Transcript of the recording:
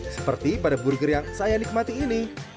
seperti pada burger yang saya nikmati ini